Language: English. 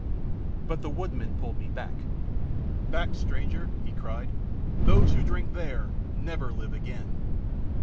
But the woodman pulled me back. "Back, stranger!" he cried. "Those who drink there never live again."